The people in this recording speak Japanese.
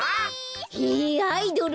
へえアイドル？